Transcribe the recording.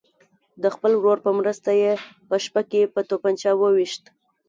د خپل ورور په مرسته یې په شپه کې په توپنچه ویشت.